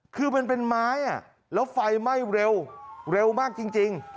คือมันเป็นไม้แล้วไฟไหม้เร็วเร็วมากจริง